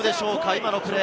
今のプレー。